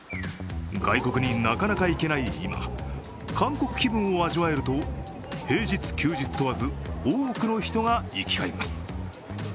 外国になかなか行けない今、韓国気分を味わえると平日、休日問わず、多くの人が行き交います。